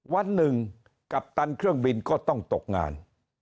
วันหนึ่งกัปตันเครื่องบินก็ต้องตกงาน